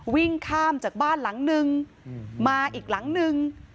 วิ่งข้ามจากบ้านหลังนึงมาอีกหลังนึง